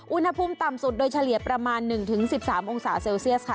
อุณหภูมิต่ำสุดโดยเฉลี่ยประมาณ๑๑๓องศาเซลเซียสค่ะ